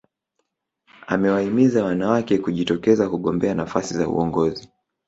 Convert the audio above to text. Amewahimiza wanawake kujitokeza kugombea nafasi za uongozi